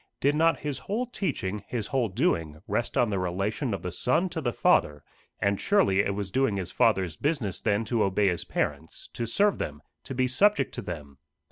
Did not his whole teaching, his whole doing, rest on the relation of the Son to the Father and surely it was doing his Father's business then to obey his parents to serve them, to be subject to them.